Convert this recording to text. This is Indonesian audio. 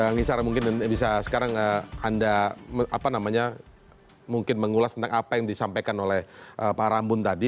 nisa mungkin bisa sekarang anda apa namanya mungkin mengulas tentang apa yang disampaikan oleh pak rambun tadi